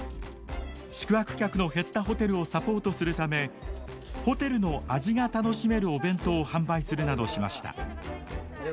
宿泊客の減ったホテルをサポートするためホテルの味が楽しめるお弁当を販売するなどしました。